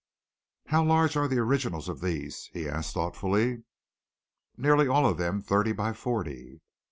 "How large are the originals of these?" he asked thoughtfully. "Nearly all of them thirty by forty."